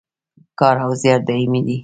کار او زیار دایمي دی